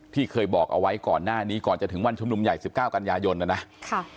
ที่เคยบอกเอาไว้ก่อนหน้านี้ก่อนจะถึงวันชุมนุมใหญ่สิบเก้ากันยายนนะนะ